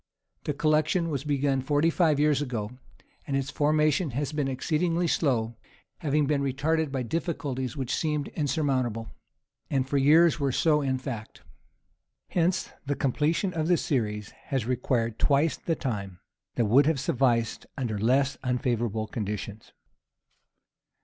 The collection was begun forty five years ago, and its formation has been exceedingly slow, having been retarded by difficulties which seemed insurmountable, and for years were so in fact. Hence the completion of the series has required twice the time that would have sufficed under less unfavorable conditions.